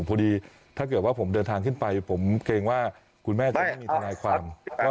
พอดีถ้าเกิดว่าผมเดินทางขึ้นไปผมเกรงว่าคุณแม่จะไม่มีทนายความ